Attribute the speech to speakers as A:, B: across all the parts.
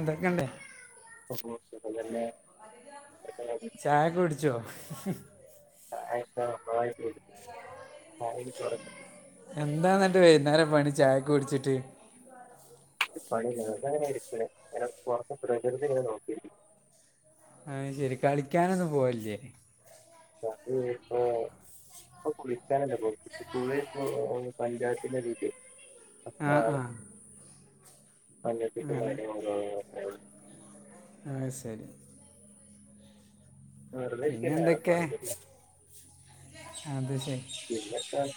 A: അതൊക്കെണ്ട്.
B: [unintelligible] സുഖമല്ലേ? [unintelligible]
A: ചായകുടിച്ചോ?
B: [unintelligible] [unintelligible] പ്രൊഡക്ട്
A: എന്താ ന്നിട്ട് വൈന്നേരം പണി ചായൊക്കെ കുടിച്ചിട്ട്?
B: രു പണില്ല. താ ങ്ങനെ രിക്ക്ണ് പോർതൊക്കെ നോക്കി വെറ്തെ ങ്ങനെ നോക്കി ഇര്ക്കണ്.
A: ഐ ശരി കളിക്കാനൊന്നും പോവ ല്ല്യെ?
B: [unintelligible] അപ്പ കുളിക്കാൻ [unintelligible] കുളി പ്പോ [unintelligible] പഞ്ചായത്തിനടീൽക്
A: ആഹ് ആഹ്
B: മഞ്ഞപ്പിത്തോ കാര്യ [inaudible] [unintelligible]
A: ഐ ശരി.
B: വെറുതെ ഇരിക്കല്ലേ വേറെ
A: പിന്നെന്തക്കെ?
B: പണിയൊന്നുല്ല
A: അത്ശരി
B: പിന്നെ ത്ത [unintelligible]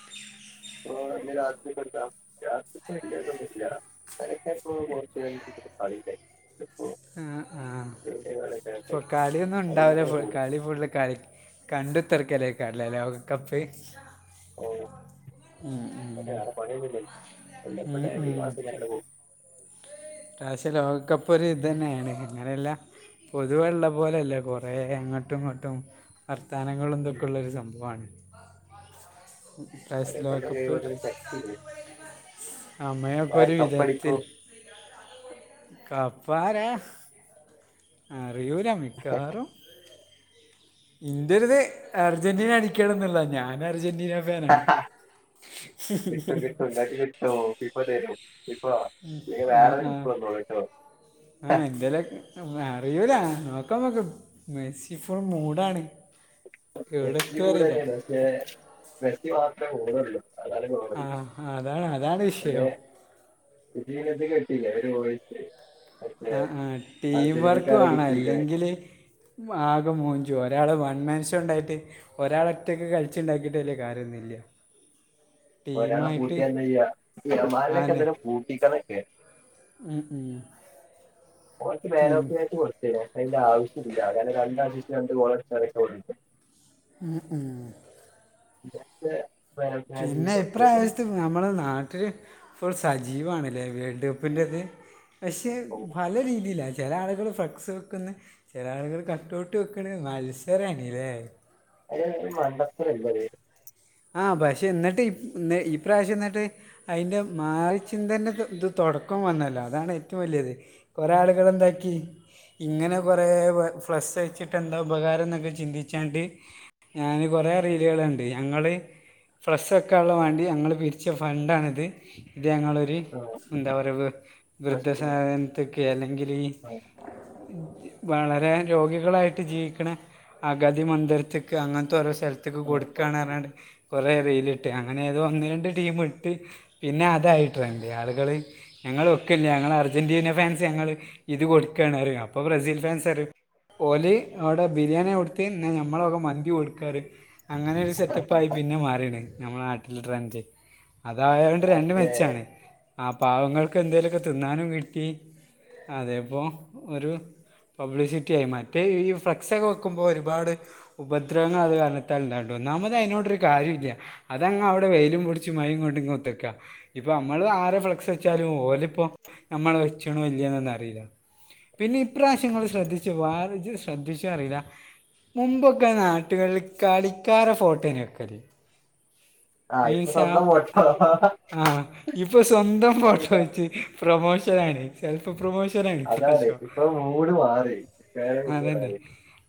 B: ന്നാലെ രാത്രി [unintelligible] തെരക്കായി [unintelligible] കൊറച്ചു കയ്ഞ്ഞിട്ട് കളിണ്ടായിന്.
A: ആഹ് ആഹ
B: കളി
A: പ്പൊ
B: ഇണ്ടായോണ്ടേ അതിമ്മെ
A: കളിയൊന്നുംണ്ടാവില്ല.
B: തന്നെ പോകും
A: കളി ഫുള്ള് കളി. കണ്ട്ത്രക [unintelligible] ളെക്കാരം ലെ ലോക കപ്പ്‌.
B: ഓ
A: മ് മ്മ്
B: വേറെ പണിയൊന്നുല്ലല്ലോ വല്ലപ്പോം
A: മ്
B: ഡാൻഡി
A: മ്മ്
B: മാസിലങ്ങനെ പോകും
A: ക്ഷേ ലോകകപ്പ് ഒരു ത് ന്നെയാണ്. അങ്ങനെയല്ല. പൊതുവെള്ള പോലല്ലേ കൊറേ അങ്ങട്ടും ങ്ങട്ടും. വാർത്തനങ്ങളോണ്ട് ക്കെ ള്ളൊരു സംഭവാണ്.
B: പല
A: [unintelligible]
B: പല
A: ലോകകപ്പ്
B: ദൈവത്തിന് ശക്തിയില്ലേ
A: സമയൊക്കെ
B: ആര്
A: ഒരു വിധത്തിൽ.
B: കപ്പടിക്കും
A: കപ്പാരാ അറിയൂല മിക്കാറും ഇൻ്റൊരിത് അർജന്റീന അടിക്കണംന്നുള്ളത. ഞാനർജന്റീന ഫാനാണ്
B: ഓ ഇപ്പ തരും. ഇപ്പ നീ വേറെ [unintelligible] കേട്ടോ
A: ആഹ് എന്തേല് അറിയൂല നോക്കാ നമുക്ക് മെസ്സി ഫുൾ മൂഡാണ്
B: മെസി
A: എവിടെത്തും അറിയില്ല
B: കൂടെന്നെയാണ് പക്ഷേ മെസി മാത്രമേ പോണള്ളൂ
A: ആഹ് അതാണ് അതാണ് വിഷയം
B: ജീവിതത്തി കെട്ടീല്ല ഒരു വയ [unintelligible]
A: ആഹ് ആഹ് ടീംവർക്ക് വേണം
B: കിട്ടിയിക്കണ്
A: അല്ലെങ്കില് ആകെ മോഞ്ചു ഒരാള് വൺ മാൻ ഷോ ഉണ്ടായിട്ട് ഒരാളൊറ്റക്ക് കളിച്ചുണ്ടാക്കിട്ട് വല്യ കാര്യോന്നില്ല
B: ഒരാളെ പൂട്ടിയാ എന്തെയ്യ ഇമാലിലൊക്കെ
A: ആന്നെ
B: എന്തേലും പൂട്ടിക്കാന്നൊക്കെ
A: ഉം ഉം
B: കൊറച്ച് man
A: pin
B: of the match കൊടുത്തേനു. അയ്ന്റെ ആവശ്യല്ല കാരണം രണ്ടസിസ്റ്റ് രണ്ട് ഗോള് [unintelligible]
A: ഉം ഉം
B: [unintelligible] കുറച്ച് ദിവസമായി
A: നമ്മുടെ നാട്ടില് ഇപ്പോൾ സജീവാണല്ലേ വേൾഡ് കപ്പിൻ്റെത് പക്ഷേ
B: ഓൻ
A: പല രീതിയിലായി ചില ആളുകൾ ഫ്ളക്സ് വെക്കുന്ന്, ചില ആളുകൾ കട്ടൗട്ട് വെക്കണ്, മത്സരാണീല്ലേ?
B: അയ്യോ ഒരു മണ്ടത്തരല്ലേത്
A: ആഹ് ബഷേ എന്നിട്ട് ഇ ഈ പ്രാവശ്യം എന്നിട്ട് അതിന്റെ മാറിച്ചിന്തന്നെ ഇത് തുടക്കം വന്നല്ലോ അതാണ് ഏറ്റവും വലിയത് കൊറേ ആളുകളെന്താക്കി ഇങ്ങനെ കുറേ ഫ്ലസ്സ് വച്ചിട്ട് എന്താ ഉപകാരം ന്നൊക്കെ ചിന്തിച്ചാണ്ട് ഞാന് കൊറേ റീലുകള് കണ്ട് ഞങ്ങള് ഫ്ലക്സ് വെക്കാൻ ള്ളവേണ്ടി ഞങ്ങള് പിരിച്ച ഫണ്ടാണിത് ഇത് ഞങ്ങളൊരു
B: അത്
A: എന്താ പറ
B: ആഹ് ഫസ്റ്റ്
A: വൃദ്ധസദനത്തൊക്കെ അല്ലെങ്കിലീ
B: ആഹ്
A: വളരെ രോഗികളായിട്ട് ജീവിക്കണ അഗതി മന്ദിരത്തിക്ക് അങ്ങനത്തെ ഓരോ സ്ഥലത് ത്തക്ക്
B: ആഹ്
A: കൊടുക്കുകാണ്റാണ്ട് കൊറേ റീലിട്ട് അങ്ങനെ ഏതോ ഒന്ന് രണ്ട് ടീം ഇട്ട് പിന്നെ അതായി ട്രെൻഡ് ആളുകള് ഞങ്ങൾ ഒക്കില്ല ഞങ്ങളർജന്റീന ഫാൻസ് ഞങ്ങള് ഇത് കൊടുക്കാണ്. അപ്പൊ ബ്രസീൽ ഫാൻസാര് ഓല് അവിടെ ബിരിയാണിയാ കൊടുത്ത് എന്നാ ഞമ്മളൊക്കെ മന്തി കൊടുക്കാറ് അങ്ങനെ ഒരു സെറ്റപ്പായി പിന്നെ നമ്മുടെ നാട്ടിലെ ട്രൻഡ് അതായതോണ്ട് രണ്ട്
B: പക്ഷേ
A: മെച്ചാണ് ആ പാവങ്ങൾക്കെന്തേലൊക്കെ തിന്നാനും കിട്ടി അതേപ്പോ ഒരു പബ്ലിസിറ്റിയായി മറ്റേ ഈ ഫ്ലക്സൊക്കെ വെക്കുമ്പോൾ ഒരുപാട് ഉപദ്രവങ്ങളത് കാരണത്താല്ലാണ്ടോ ഒന്നാമത് അയിനോടൊരു കാര്യല്ല അതങ്ങ് അവിടെ വെയിലും പൊടിച്ച് മയയും കൊണ്ടിങ് ഒത്തക്കാ ഇപ്പൊ മ്മള് ആരെ ഫ്ളക്സ് വെച്ചാലും ഓലിപ്പോ നമ്മള് വെച്ചണോ ഇല്യോന്നൊന്നും അറിയില്ല പിന്നെ ഇപ്രാവശ്യം ങ്ങള് ശ്രദ്ധിച്ചു വാറി ജ്ജ് ശ്രദ്ധിച്ചോ അറിയില്ല മുമ്പൊക്കെ നാട്ടുകളിൽ കളിക്കാരെ ഫോട്ടോയാണ് വക്കണേ
B: ആഹ് ഇപ്പൊ
A: മീൻസ് ആഹ്
B: സ്വന്തം വോട്ടോ
A: ആഹ് ഇപ്പൊ സ്വന്തം ഫോട്ടോ വെച്ച് പ്രമോഷനാണ് സെൽഫ് പ്രമോഷനാണ്
B: അതാണ്
A: ഇപ്രാവശ്യം
B: ഇപ്പൊ മൂട് മാറി ഇപ്പൊ
A: അതന്നെ.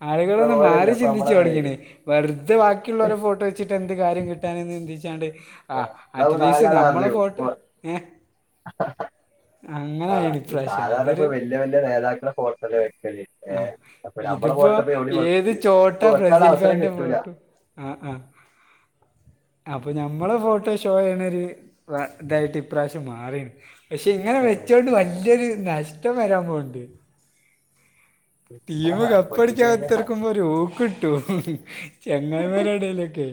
A: ആളുകളൊന്ന്
B: ഓരല്ല
A: മാറി
B: ഇപ്പൊ
A: ചിന്തിച്ചു
B: നമ്മളെ മാതിരി
A: തുടങ്ങീണ് വെറുതെ വാക്കിയുള്ളോരെ ഫോട്ടോ വെച്ചിട്ട് എന്ത് കാര്യം കിട്ടാനെന്ന് ചിന്തിച്ചാണ്ട് ആഹ്
B: ഇതാവുമ്പോ
A: അറ്റ്ലീസ്റ്റ്
B: നാലാള്
A: നമ്മള്
B: അറിയും
A: ഫോട്ടോ ഏ
B: ആഹ്
A: അങ്ങനായിണ്
B: ഇത്
A: ഇപ്രാവശ്യം
B: സാധാരണ ഇപ്പ
A: അതൊരു
B: വല്യ വല്യ നേതാക്കളെ ഫോട്ടോലെ വെക്കല്
A: ആ
B: ഏഹ് നമ്മളെ
A: ഇതിപ്പോ
B: ഫോട്ടപ്പോ എവിടെ
A: ഏത്
B: വെച് വെക്കാനവസരം കിട്ടൂല
A: ആഹ് ആഹ് അപ്പൊ ഞമ്മളെ ഫോട്ടോ ഷോയാണൊരു ഇതായിട്ട് ഇപ്രാവശ്യം മാറ്യേ പക്ഷെ ഇങ്ങനെ വെച്ചോണ്ട് വലിയൊരു നഷ്ടം വരാൻ പോനുണ്ട്‌ ടീമ്
B: ആഹ്
A: കപ്പ് അടിച്ച്
B: പൊട്ടിക്കഴിഞ്ഞാ
A: ഇത്തർക്ക നോക്കുമ്പോ ഒരു ഊക്കിട്ടും ചങ്ങായിമരെ ഇടയിലൊക്കെ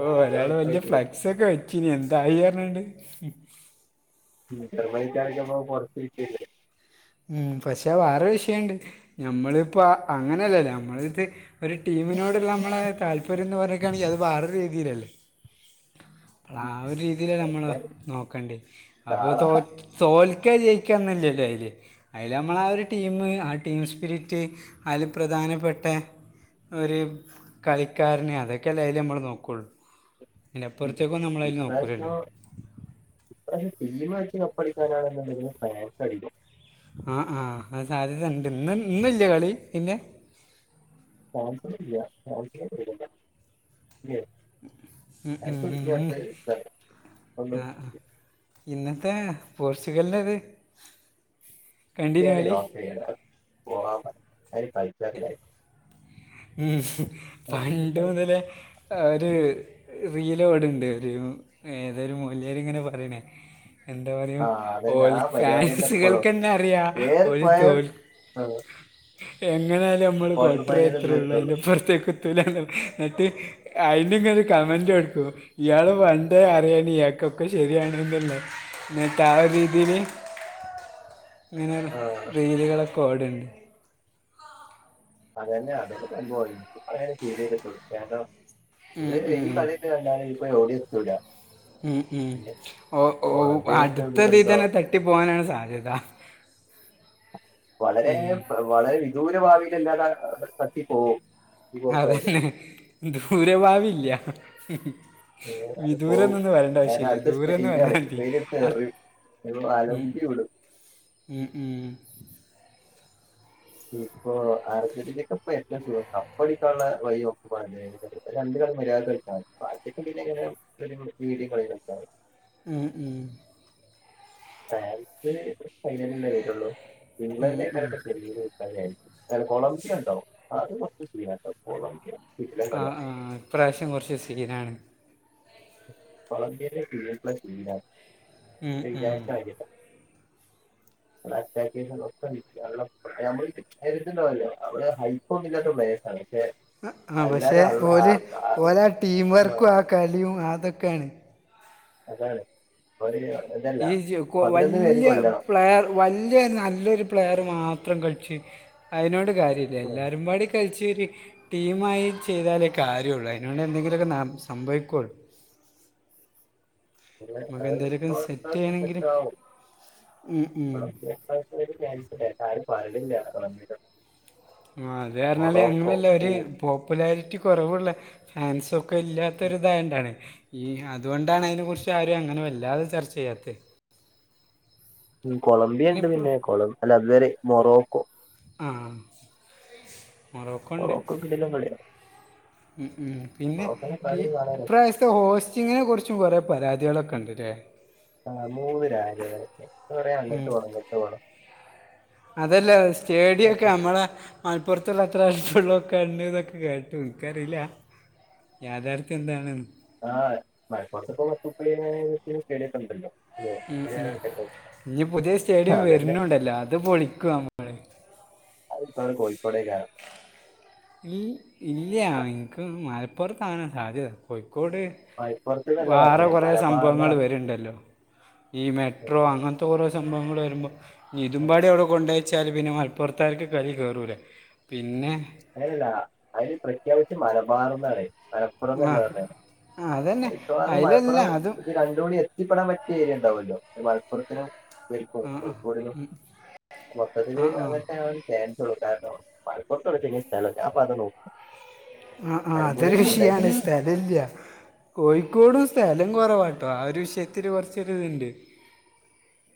A: ഓ
B: ആകെ
A: ഒരാള്
B: വെറുപ്പായി
A: വല്യ ഫ്ലക്സ്
B: തീരും
A: ഒക്കെ വെച്ചീന് എന്തായി പറഞ്ഞണ്ട്.
B: മൊയ്ല്യാന്മാർക്ക് അറിയില്ല പുറത്തരിക്കില്ലേ
A: ഉം പക്ഷെ വേറെ വിഷയുണ്ട് ഞമ്മളിപ്പ അങ്ങനെയല്ലല്ല. നമ്മള ത് ഒരു ടീമിനോട് ഉള്ള നമ്മളെ താല്പര്യം എന്ന് പറയ എനിക്കാണെങ്കി അത് വേറെ രീതിയിൽ അല്ലേ [unintelligible] അതില നമ്മള്
B: എന്തായാലും
A: നോക്കണ്ടി. അപ്പൊ തോ
B: കാണാം
A: തോൽക്കാ ജയിക്കന്നില്ലല്ലോ അയില്. അതില് നമ്മൾ ആ ഒരു ടീം ആ ടീം സ്പിരിറ്റ് അതില് പ്രധാനപ്പെട്ട. ഒരു കളിക്കാരനെ അതൊക്കെല്ലൊ അതിൽ നമ്മള് നോക്കുള്ളൂ. ഇലപ്പുറത്തേക്കോന്നും നമ്മള് അയില്നോക്കുല്ലല്ലോ.
B: ഇപ്രശം ടീമ് അടിച് കപ്പ് അടിക്കാനാണ് ഉണ്ടെങ്കിൽ. ഫ്രാൻസ് അടിക്കും.
A: ആഹ ആഹ് അ സാധ്യത ഉണ്ട് ഇന്ന് ഇന്ന് ഇല്ലേ കളി പിന്നെ
B: [unintelligible] ല്ലേ
A: ഉം, ഉം,
B: [unintelligible] ഇനി
A: ഉം.
B: അടുത്തത് ഇതണ് [unintelligible]
A: ഇന്നത്തെ പോർച്ചുഗലിന്റേത്.
B: [unintelligible]
A: ഇസ് പണ്ട് മുതലേ ഒരു റീല് ഒട്ണ്ട് ഒരു ഏതൊരു മൊയ്ല്യാര്. ഇങ്ങനെ പറയണേ എന്താ പറയോ
B: ആ അതന്നെ
A: ഓൽ
B: ആ പരിപാടി തന്നെ എപ്പോഴും
A: ഫാൻസുകൾക്ക് ന്നെ അറിയാ ഒരു തോൽ
B: ആ
A: എങ്ങനാലും നമ്മള് കൊട്ടറെ
B: ഫൈനൽ ഇത്
A: എത്രേ ഉള്ളൂ
B: എത്തുള്ളൂ
A: അതിന്റെപ്പുറത്തേക്ക് എത്തൂലാലോ അയിന് ഇങ്ങള് ഒരു കമന്റ് കണ്ടോ ഇയാള് പണ്ടേ അറിയന് ഇയാക്കൊക്കെ ശരിയാണെന്നളോ. ഇന്നത്തെ ആ രീതിയില് ഇങ്ങനെ
B: ആ
A: റീലുകളൊക്കെ ഓട്ന്
B: അതന്നെ അതിന്റെ സംഭവം ഇനിക് അങ്ങനെ ഫീൽ ചെയ്തിട്ടുള്ളു. കാരണം
A: ഉം
B: ഇ ഈ
A: ഉം.
B: കളി [unintelligible] ഇപ്പൊ എവിടിം ഓടി എത്തൂലേ
A: ഉം ഉം ഓ ഓ
B: കൊളംബിയനായിട്ട്
A: അടുത്ത
B: ഇതിലെന്തോ
A: ഇതീതന്നെ തട്ടി പോകാനാണ് സാധ്യത.
B: വളരെ
A: ഉം.
B: വളരെ വിദൂര ഭാവിയിലല്ലാതെ തട്ടി പോകും. ഈ പോക്കായാലും
A: അതന്നെ ദൂരെ ഭാവില്ല [unintelligible] ഉം
B: ഏഹ് അത് പോവും കാര അടുത്ത്
A: ദൂരം എന്ന്
B: സ്പെയിലാണ്
A: പറഞ്ഞാൽ മതി
B: സ്പയില് അടുത്ത്
A: അത്-
B: എറിം.
A: ഉം.
B: അലമ്പി വിടും.
A: ഉം ഉം
B: ഇപ്പ അർജന്റീന എന്താ സുഖം കപ്പടിക്കാനുള്ള വഴി നോക്കിക്കോ രണ്ട് കളി മര്യാദ ആഹ്‌ പഠിപ്പ്ണ്ട്ന്ന്ണ്ടെങ്കി [unintelligible]
A: മം ഉം
B: ഫ്രാൻസ് ഫൈനലല്ലേ വരുള്ളൂ
A: ഉം ഉം.
B: ഇംഗ്ലണ്ട്ക്കാരം [unintelligible] കൊളംബിയണ്ടാവും അത് കുറച്ച് സീനാ കേട്ടോ കൊളംബിയ കിടിലൻ
A: ആഹ്
B: കളിയാ
A: ആഹ് ഇപ്രാവശ്യം കുറച്ച് സീനാണ്.
B: കൊളംബിയയിലെ [unintelligible] സീനാണ്
A: ഉം ഉം.
B: വിചാരിച്ച മാരിയല്ല
A: [inaudible]
B: [unintelligible] [unintelligible]
A: ആ പക്ഷെ
B: എല്ലാരും അള്ള ആ
A: ഓല് ഓല ആ ടീം വർക്കും ആ കളിയും അതൊക്കെയാണ്.
B: അതണ് ഒല് [unintelligible]
A: ഈച് വകോ വലിയ പ്ലെയർ വലിയ നല്ലൊരു പ്ലെയർ മാത്രം കളിച്ച്. അതിനോട് കാര്യമില്ല.
B: ഉം
A: എല്ലാവരും പാടി [unintelligible] ടീമായി ചെയ്താലേക്കെ കാര്യള്ളൂ. അതിനൊണ്ട് എന്തെങ്കിലുമൊക്കെ ന സംഭവിക്കളൂ.
B: പിന്നെ
A: നമുക്ക്
B: അത്
A: എന്തെങ്കിലുമൊക്കെ സെറ്റ്
B: ഇപ്രാവശ്യം
A: ചെയ്യണമെങ്കിൽ
B: സെറ്റ് ആവും.
A: ഉം ഉം.
B: [unintelligible] [unintelligible] ക്യാൻസലായി ആരും പറീണില്ല്യാ [unintelligible]
A: ആഹ് അത്പർഞ്ഞാല് അങ്ങനല്ല ഒര്
B: ഉം
A: പോ പോപ്പുലാരിറ്റി കൊറവുള്ള ഫാൻസൊക്കെ ഇല്ലാത്തൊരിതായോണ്ടാണ്. ഈ അതുകൊണ്ടാണ് അതിനെ കുറിച്ച് ആരും അങ്ങനെ വല്ലാതെ ചർച്ച ചെയ്യാത്തെ
B: ഉം കൊളംബിയ ഇണ്ട് പിന്നെ കൊളം അല്ല അത് വരെ മൊറോക്കോ
A: ആഹ് മൊറോക്കോണ്ട്
B: മൊറോക്കോ കിടിലൻ കളിയാ
A: ഉം ഉം പിന്നെ
B: മൊറോക്കോന്റെ
A: ഈ
B: കളി വളരെ
A: ഇപ്രാസ് ഹോസ്റ്റിങ്ങിനെ കുറിച്ചും കുറേ പരാതികളൊക്കെണ്ട്ല്ലേ?
B: ആഹ് മൂന്ന് രാജഗലെക്കെ.
A: ഉം അതല്ലേ സ്റ്റേഡിയൊക്കെ ഞമ്മളെ മലപ്പുറത്തുള്ള അത്ര വലിപ്പള്ളതെക്കെണ്ട് കേട്ട് ഇൻക്കറില്ല. യാഥാർത്ഥ്യം എന്താണ്?
B: ആഹ് മൽപുർത്പൊത്ത് പത്തൂ മുപ്പെയ്നായിരാതിന്റെ സ്റ്റേഡിയക്കെൻണ്ടല്ലോ.
A: ഉം ഉം ഇനി പുതിയേ സ്റ്റേഡിയം
B: അതന്നെ
A: വെര്നുണ്ടല്ലോ അത് പൊളിക്കും ന
B: അതിപ്പഴും കോഴിക്കോട്ടേക്കാ?
A: ഈ ഇല്ല്യാ ഇൻക്ക് മലപ്പുർത്താണ് സാധ്യത കൊയിക്കോട്
B: മലപ്പുറത്ത്ന്നല്ല
A: വാറ
B: പറഞ്ഞേ
A: കൊറേ
B: മലബാർന്നാ
A: സംഭവങ്ങള്
B: മതി.
A: വെര്ണ്ടല്ലോ? ഈ മെട്രോ അങ്ങൻത്തെ ഓരോ സംഭവങ്ങൾ വെരുമ്പോ ഇതുമ്പാടി അവിടെ കൊണ്ടോ ച്ചാൽ പിന്നെ മലപ്പൊർത്താർക്ക് കലി കേറൂലെ പിന്നെ
B: അല്ലെല്ല അയിന് പ്രഖ്യാപിച്ച് മല ബാറുന്നാണ്.
A: ആ
B: മലപ്പുറംന്നന്നെ പർഞ്ഞെ
A: ആ, അതന്നെ
B: മിക്കവാറും
A: അതിലല്ല
B: മലപ്പുറം
A: അതും
B: ഇത് രണ്ടും കൂടി ത്തിപ്പെടൻ പറ്റിയ ഏരിയ ഉണ്ടാവല്ലോ മലപ്പുറത്തിനും ഇവരിക്കും കോയിക്കോട്നും
A: ആ
B: മൊത്തത്തില്
A: ആ
B: അങ്ങൻത്തെ ആണ് ഫേൻസെള്ളു കാരണം മൽപൊർത്തോള്ളു പിന്നേം സ്ഥാലെ ഒക്കെ ഞാന്പതാനോക്ണെ
A: ആഹ് ആഹ് അതൊരു വിഷയാണ് സ്ഥലല്ല്യാ കോഴിക്കോടും സ്ഥലം കുറവാട്ടോ ആ ഒരു വിഷയത്തിൽ കുറച്ചൊര്തുണ്ട്.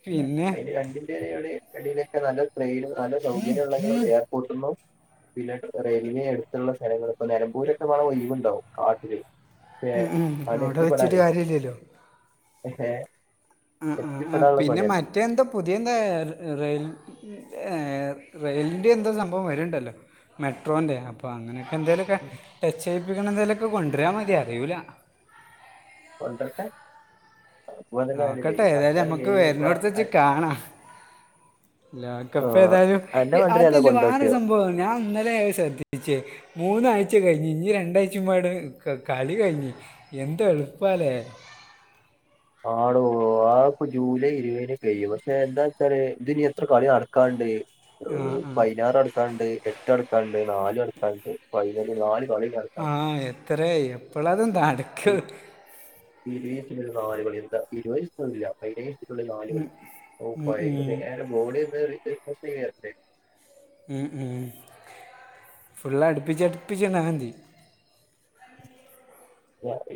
B: അല്ല അയില് രണ്ടിൽ ഇതിന്റെ ഇടയിലൊക്കെ നല്ല ട്രെയിനും നല്ല സൗകര്യം ഉള്ള എയർപോർട്ട്ന്നും പിന്നെ റെയിൽവേ എട്ത്തുള്ള സ്ഥലങ്ങള്. ഇപ്പ നെലമ്പൂരൊക്കെപ്പാടെ ഒയിവുണ്ടാവും കാട്ടില് പക്ഷെ
A: ഉം ഉം അവടെ വെച്ചിട്ട് കാര്യോല്ലല്ലോ?
B: ഹേ
A: ആഹ് ആഹ് ആഹ് പിന്നെ മറ്റേന്തോ പുതിയ എന്താ റെ റെയിൽ ഏഹ് റെയിലിൻ്റെ എന്തോ സംഭവം വെര്ണ്ടല്ലോ മെട്രോൻ്റെ അപ്പോ അങ്ങനെയൊക്കെ എന്തേലും ഒക്കെ ടച്ച്എയ്പ്പിക്കണ എന്തെലൊക്കെ കൊണ്ടരാമതി അറിയൂല
B: കൊണ്ടർട്ടെ അത്പ്പൊ [unintelligible] എന്തര് ഈ സർക്കാർ ഇപ്പ
A: ആണോഹ് ലോകപ്പ്
B: ആഹ്
A: ഏതായാലും
B: അന്റെ മണ്ടര് ഏതാ
A: അതില് വേറെ
B: കൊണ്ടോട്ടിയോ
A: സംഭവാണ് ഞാൻ ഇന്നലെ സ് ശ്രദ്ധിച്ച് മൂന്നാഴ്ച കഴിഞ്ഞ് ഇനി രണ്ടാഴ്ചമ്പാടേ ക് കളി കഴിഞ്ഞ് എന്തേളുപ്പാല്ലേ?
B: ആടോ ആ ഇപ്പൊ ജൂലൈ ഇരുവെയിന് കഴിയും പക്ഷെ എന്താച്ചാല് ഇതിന് എത്രകളി നട്ക്കാണ്ട്?
A: ആ ആ
B: പയിനാറടുക്കാണ്ട് എട്ട് നടുക്കാണ്ട് നാല് നടുക്കാണ്ട് പയിനല് നാല് കളി നടക്കാണ്ട്
A: ആഹ് എത്രയെ എപ്പളാ ഇതും നാ
B: ഇ ഈ ഈ [unintelligible] നാലുകളി എന്താ ഇരുവയസ്സൊന്നുല്ല [unintelligible] നാലുകളി [unintelligible] നേരെ ബോഡിയൊന്ന് റീഫ്രഷ് [unintelligible]
A: ഉം ഉം ഫുള്ള അടുപ്പിച്ചടുപ്പിച്ച് ണ്ടായാന്തി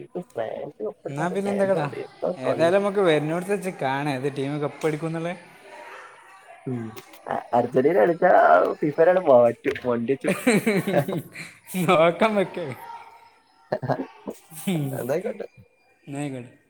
B: ഇപ്പോ ഫ്രാൻസും ഒപ്പരത്തിനോണ്ട് ചാൻസൊണ്ട് എന്താ കളി?
A: ക്ക് വരുന്നോട്ത്തച്ച് കാണാം ഏത്ടീം കപ്പ് എടുക്കുംന്നുള്ളത്
B: ഉം അർജന്റീനെട്ത്താ ആ ഫിഫെനേങ്ങ്ട് മാറ്റും [unintelligible]
A: നോക്കമ്മക്കെ
B: എന്തായിക്കോട്ടെ
A: [unintelligible]